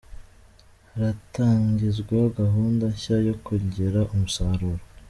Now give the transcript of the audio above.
Haratangizwa gahunda nshya yo kongera umusaruro